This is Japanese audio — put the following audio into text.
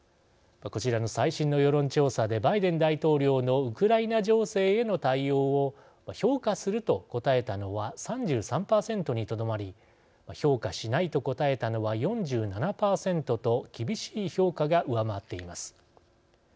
こちらの最新の世論調査でバイデン大統領のウクライナ情勢への対応を評価すると答えたのは３３％にとどまり評価しないと答えたのは４７％と厳しい評価が上回っています。